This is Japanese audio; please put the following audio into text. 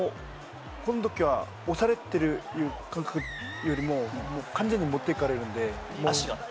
このときは押されてる感覚よりも、完全に持っていかれるので、足が。